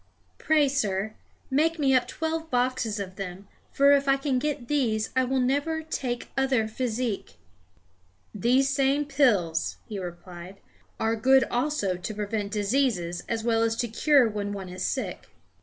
"Pray, sir, make me up twelve boxes of them; for if I can get these, I will never take other physic." "These same pills," he replied, "are good also to prevent diseases as well as to cure when one is sick.